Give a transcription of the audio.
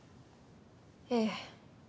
ええ。